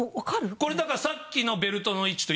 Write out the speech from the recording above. これだからさっきのベルトの位置と一緒ですよね？